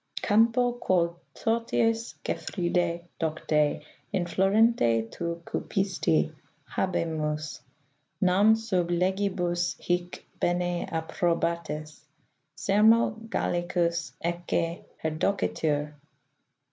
Campo quod toties Gefride docte In florente tuo cupisti, habemus. Nam sub legibus hie bene approbatis Sermo Gallicus ecce perdocetur.